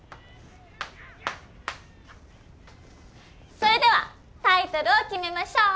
それではタイトルを決めましょう！